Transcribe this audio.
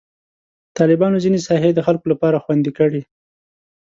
طالبانو ځینې ساحې د خلکو لپاره خوندي کړي.